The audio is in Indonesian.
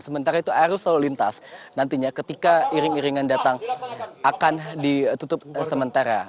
sementara itu arus lalu lintas nantinya ketika iring iringan datang akan ditutup sementara